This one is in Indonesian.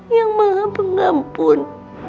yang maha pengampun